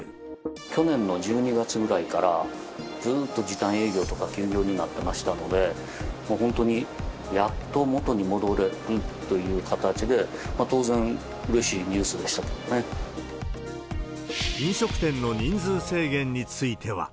去年の１２月ぐらいから、ずっと時短営業とか休業になってましたので、もう本当にやっと元に戻れるっていう形で、当然、うれしいニュー飲食店の人数制限については。